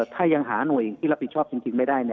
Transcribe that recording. ถ้ายังหาหน่วยที่รับผิดชอบจริงไม่ได้